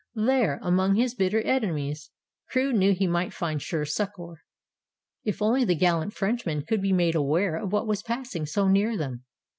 There, among his bitter enemies, Crewe knew he might find sure succor, if only the gallant Frenchmen could be made aware of what was passing so near them.